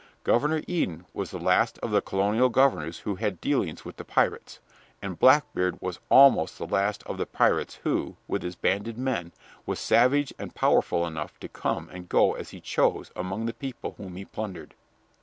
Governor Eden was the last of the colonial governors who had dealings with the pirates, and Blackbeard was almost the last of the pirates who, with his banded men, was savage and powerful enough to come and go as he chose among the people whom he plundered.